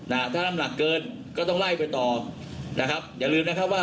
นะฮะถ้าน้ำหนักเกินก็ต้องไล่ไปต่อนะครับอย่าลืมนะครับว่า